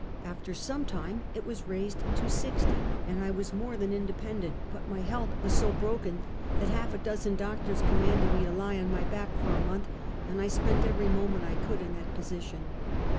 After some time it was raised to sixty, and I was more than independent; but my health was so broken that half a dozen doctors commanded me to lie on my back for a month, and I spent every moment I could in that position.